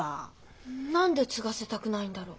何で継がせたくないんだろう？